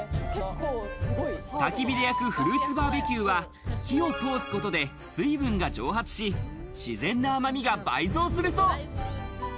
たき火で焼くフルーツバーベキューは火を通すことで水分が蒸発し、自然な甘みが倍増するそう。